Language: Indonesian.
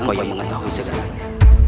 kau yang mengetahui segalanya